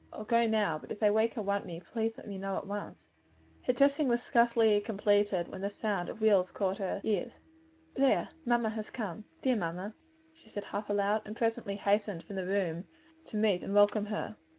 I'll go now, but if they wake and want me let me know at once." Her toilet was scarcely completed when the sound of wheels caught her ears. "There! mamma has come! Dear, dear mamma!" she said half aloud, and presently hastened from the room to meet and welcome her.